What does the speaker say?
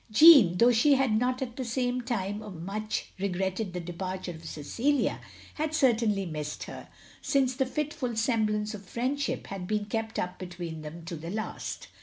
Jeanne, though she had not at the time much regretted the departure of Cecilia, had certainly missed her, since a fitful semblance of friendship had been kept up between them to the last.